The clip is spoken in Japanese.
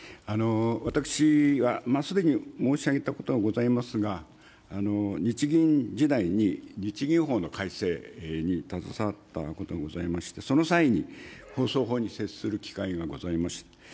私は、すでに申し上げたことがございますが、日銀時代に日銀法の改正に携わったこともございまして、その際に放送法に接する機会がございました。